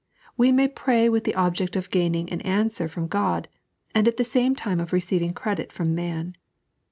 We may pray with the object of gaining an answer from Ood, and at the aame time of receiving credit from man.